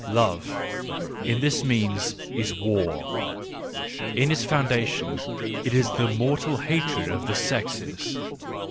Loye^ in its mean s, is w ar ; in its foundation, it is the mortal hatred of the^exes.